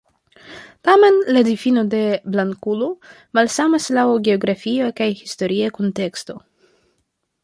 Tamen, la difino de "blankulo" malsamas laŭ geografia kaj historia kunteksto.